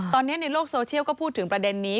ตอนนี้ในโลกโซเชียลก็พูดถึงประเด็นนี้